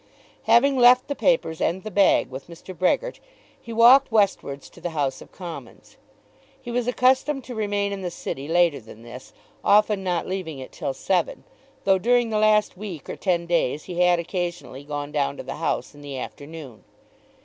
Having left the papers and the bag with Mr. Brehgert, he walked westwards to the House of Commons. He was accustomed to remain in the City later than this, often not leaving it till seven, though during the last week or ten days he had occasionally gone down to the House in the afternoon.